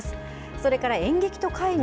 それから演劇と介護。